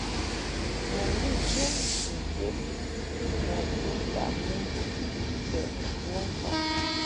Mɨŋgwi chɨm ni mbed ma vi taʼ mon ke bon mfaʼ.